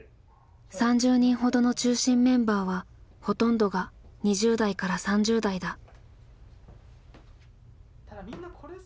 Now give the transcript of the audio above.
３０人ほどの中心メンバーはほとんどが２０代から３０代だ。